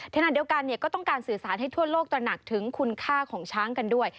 ขณะเดียวกันก็ต้องการสื่อสารให้ทั่วโลกตระหนักถึงคุณค่าของช้างกันด้วย